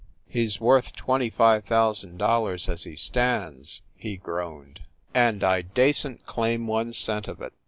"He s worth twenty five thousand dollars as he stands," he groaned, "and I dassent claim one cent of it.